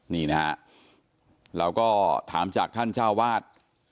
นี่นะฮะเราก็ถามจากท่านเจ้าวาด